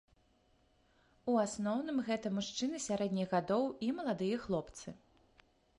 У асноўным гэта мужчыны сярэдніх гадоў і маладыя хлопцы.